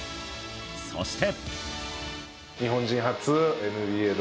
そして。